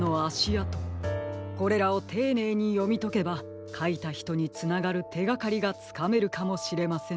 これらをていねいによみとけばかいたひとにつながるてがかりがつかめるかもしれません。